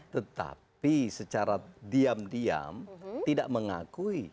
tetapi secara diam diam tidak mengakui